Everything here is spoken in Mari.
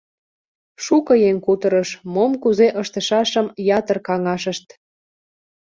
Шуко еҥ кутырыш, мом кузе ыштышашым ятыр каҥашышт.